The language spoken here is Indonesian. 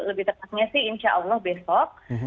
lebih tepatnya sih insya allah besok